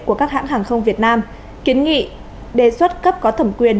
của các hãng hàng không việt nam kiến nghị đề xuất cấp có thẩm quyền